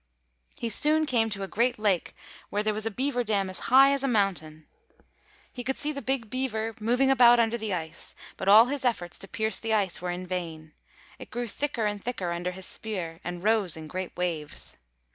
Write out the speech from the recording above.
He soon came to a great lake where there was a beaver dam as high as a mountain. He could see the big Beaver moving about under the ice; but all his efforts to pierce the ice were in vain, it grew thicker and thicker under his spear, and rose in great waves.